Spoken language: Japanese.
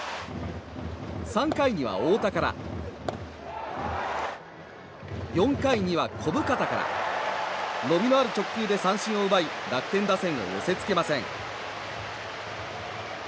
３回には太田から４回には小深田から伸びのある直球で三振を奪い楽天打線を寄せ付けません。